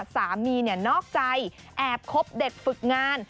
สามีนอกใจแอบคบเด็กฝึกงาน